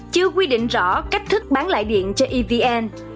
chưa quy định rõ cách thức bán lại điện cho evn